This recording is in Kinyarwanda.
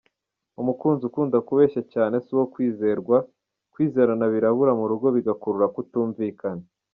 Umukunzi ukunda kubeshya cyane si uwo kwizerwa, kwizerana birabura mu rugo bigakurura kutumvikana.